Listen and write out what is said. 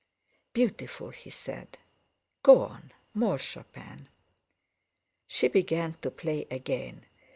"Beautiful!" He said: "Go on—more Chopin!" She began to play again.